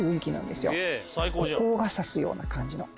後光が差すような感じの。